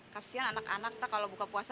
kasian anak anak tak kalau buka puasa